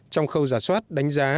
trong khâu giả soát đánh giá